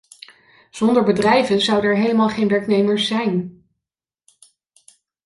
Zonder bedrijven zouden er helemaal geen werknemers zijn.